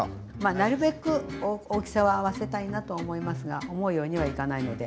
なるべく大きさは合わせたいなと思いますが思うようにはいかないので。